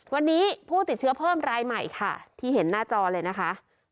วันนี้ผู้ติดเชื้อเพิ่มรายใหม่ค่ะที่เห็นหน้าจอเลยนะคะ